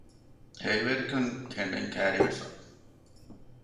ހެއިވެރިކަން ކެނޑެން ކަިއރިވެފަ